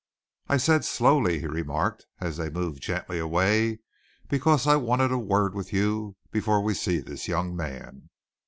"I said slowly," he remarked as they moved gently away, "because I wanted a word with you before we see this young man.